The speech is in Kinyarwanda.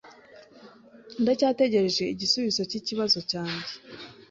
Ndacyategereje igisubizo cyikibazo cyanjye.